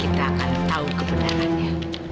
kita akan tahu kebenarannya